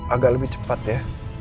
agak lebih cepat ya